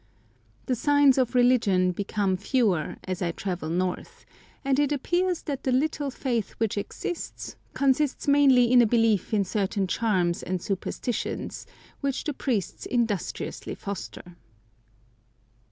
The signs of religion become fewer as I travel north, and it appears that the little faith which exists consists mainly in a belief in certain charms and superstitions, which the priests industriously foster.